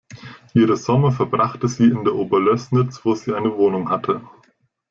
Ihre Sommer verbrachte sie in der Oberlößnitz, wo sie eine Wohnung hatte.